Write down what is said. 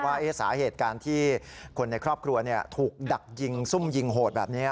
ว่าสาเหตุการณ์ที่คนในครอบครัวถูกดักยิงซุ่มยิงโหดแบบนี้